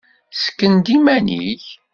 Sken-d iman-ik!